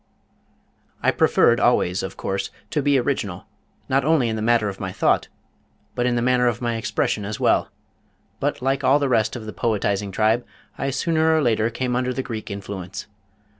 I preferred always, of course, to be original, not only in the matter of my thought, but in the manner of my expression as well, but like all the rest of the poetizing tribe, I sooner or later came under the Greek influence.